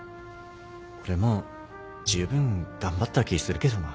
俺もうじゅうぶん頑張った気するけどな